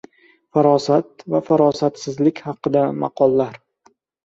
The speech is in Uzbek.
Farosat va farosatsizlik haqida maqollar.